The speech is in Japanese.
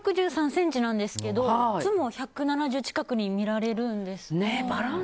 １６３ｃｍなんですけどいつも１７０近くに見られます。